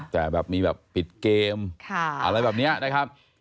แต่แบบมีแบบปิดเกมอะไรแบบนี้นะครับ